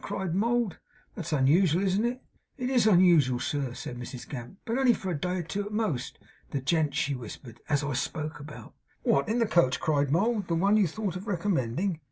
cried Mould. 'That's unusual, isn't it?' 'It IS unusual, sir,' said Mrs Gamp. 'But only for a day or two at most. The gent,' she whispered, 'as I spoke about.' 'What, in the coach!' cried Mould. 'The one you thought of recommending?